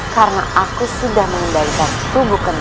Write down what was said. karena aku sudah mengendalikan tubuh kentangmu